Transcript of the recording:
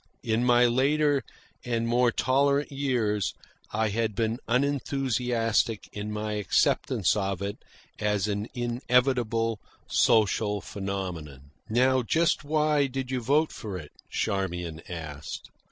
In my later and more tolerant years I had been unenthusiastic in my acceptance of it as an inevitable social phenomenon. "Now just why did you vote for it?" Charmian asked.